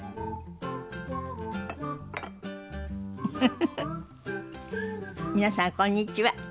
フフフフ皆さんこんにちは。